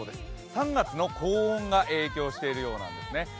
３月の高温が影響しているようなんです。